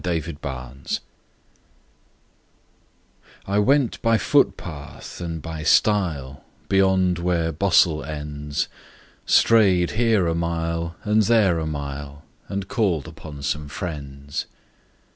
PAYING CALLS I WENT by footpath and by stile Beyond where bustle ends, Strayed here a mile and there a mile And called upon some friends.